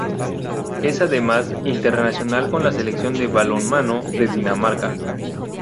Es además, internacional con la Selección de balonmano de Dinamarca.